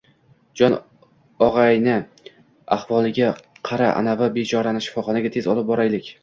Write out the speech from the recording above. — Jon og’ayni, ahvoliga qara anavi bechorani shifoxonaga, tez olib boraylik.